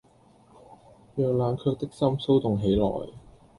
讓冷卻的心騷動起來